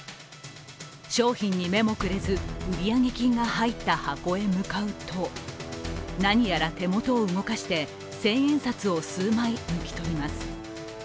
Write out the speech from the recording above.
商品に目もくれず、売上金が入った箱へ向かうと何やら手元を動かして千円札を数枚抜き取ります。